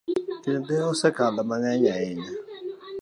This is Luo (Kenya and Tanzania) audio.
Kinde osekalo mang'eny ahinya.